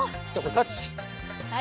タッチ。